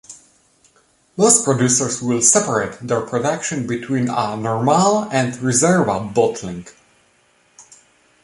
Most producers will separate their production between a "normale" and "riserva" bottling.